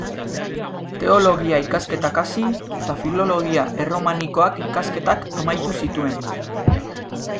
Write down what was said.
Teologia ikasketak hasi eta Filologia Erromanikoak ikasketak amaitu zituen.